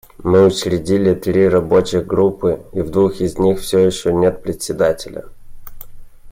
Мы учредили три рабочих группы, и в двух из них все еще нет Председателя.